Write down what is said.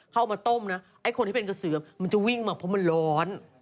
เข้ามาต้มนะไอ้คนที่เป็นกระเสือมันจะวิ่งมาเพราะมันร้อน